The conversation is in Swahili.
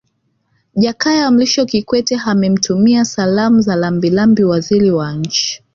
Jakaya Mrisho Kikwete amemtumia Salamu za Rambirambi Waziri wa Nchi